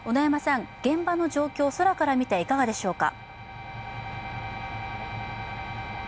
現場の状況、空から見ていかがでしょうか？